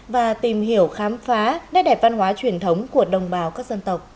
và tìm hiểu khám phá nét đẹp văn hóa truyền thống của đồng văn